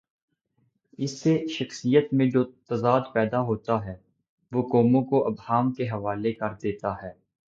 اس سے شخصیت میں جو تضاد پیدا ہوتاہے، وہ قوموں کو ابہام کے حوالے کر دیتا ہے۔